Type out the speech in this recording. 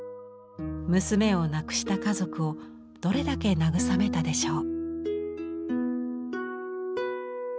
娘を亡くした家族をどれだけ慰めたでしょう。